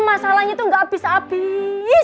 masalahnya tuh gak bisa abis